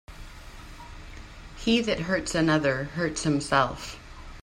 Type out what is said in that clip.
He that hurts another, hurts himself.